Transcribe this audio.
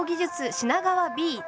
品川Ｂ